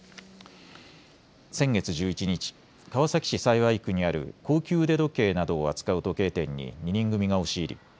先月１１日、川崎市幸区にある高級腕時計などを扱う時計店に２人組が押し入り